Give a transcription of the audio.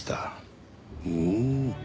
ほう。